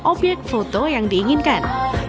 objek foto yang diinginkan